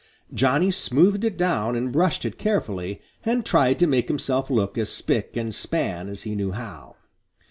Johnny smoothed it down and brushed it carefully and tried to make himself look as spick and span as he knew how.